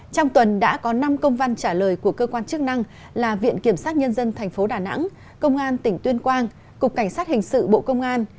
trong tuần đã có năm công văn trả lời của cơ quan chức năng là viện kiểm sát nhân dân tp đà nẵng công an tỉnh tuyên quang cục cảnh sát hình sự bộ công an